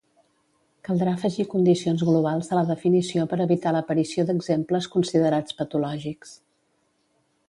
Caldrà afegir condicions globals a la definició per evitar l'aparició d'exemples considerats patològics.